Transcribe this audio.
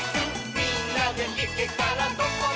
「みんなでいけたらどこでもイス！」